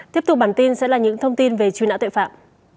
tiếp tục bản tin sẽ là những thông tin về truy nã tội phạm